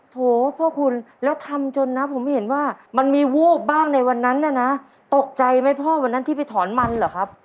โถพ่อคุณแล้วทำจนนะผมเห็นว่ามันมีวูบบ้างในวันนั้นน่ะนะตกใจไหมพ่อวันนั้นที่ไปถอนมันเหรอครับ